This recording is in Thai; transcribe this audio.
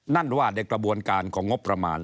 นั่นว่าในกระบวนการของงบประมาณ